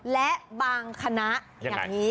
และบางคณะอย่างนี้